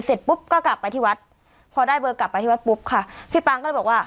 เสร็จปุ๊บก็กลับไปที่วัดพอได้เบอร์กลับไปที่วัดปุ๊บค่ะพี่ปางก็เลยบอกว่า